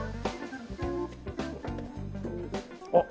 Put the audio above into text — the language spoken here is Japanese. あっ！